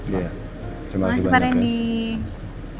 iya terima kasih banyak ya